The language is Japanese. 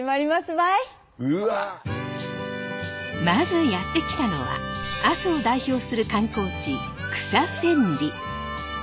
まずやって来たのは阿蘇を代表する観光地草千里。